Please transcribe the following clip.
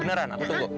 beneran aku tunggu